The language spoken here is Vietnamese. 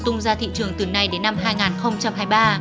tung ra thị trường từ nay đến năm hai nghìn hai mươi ba